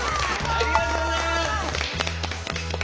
ありがとうございます！